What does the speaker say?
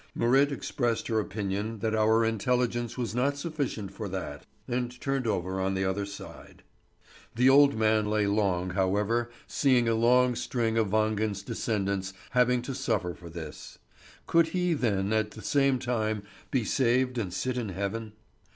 Marit expressed her opinion that our intelligence was not sufficient for that, and turned over on the other side. The old man lay long, however, seeing a long string of Wangen's descendants having to suffer for this. Could he then at the same time be saved and sit in heaven?